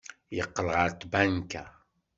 Yeqqel ɣer tbanka.